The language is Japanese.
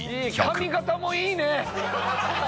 髪形もいいね！